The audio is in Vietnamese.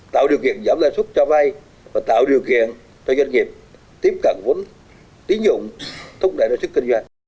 tạo điều kiện giảm lợi sức cho bay và tạo điều kiện cho doanh nghiệp tiếp cận vốn tín dụng thúc đẩy lợi sức kinh doanh